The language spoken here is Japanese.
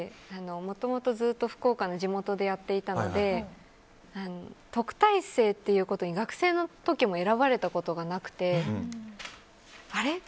もともと、ずっと福岡の地元でやっていたので特待生ということに学生の時も選ばれたことがなくてあれ？